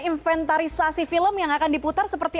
inventarisasi film yang akan diputar seperti